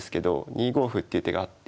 ２五歩っていう手があって。